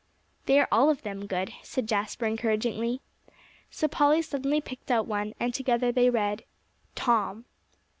"They are all of them good," said Jasper encouragingly. So Polly suddenly picked out one; and together they read, "Tom."